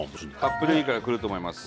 カップデリからくると思います。